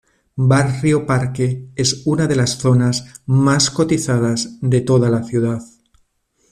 Barrio Parque es una de las zonas más cotizadas de toda la ciudad.